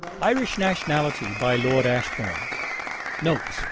IRISH NATIONALITY By LORD ASHBOURNE [NOTE.